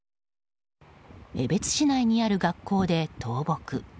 江別市内にある学校で倒木。